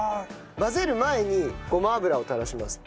混ぜる前にごま油を垂らします。